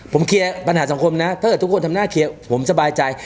ผมเคลียร์ปัญหาสังคมนะถ้าเกิดทุกคนทำหน้าเคลียร์ผมสบายใจ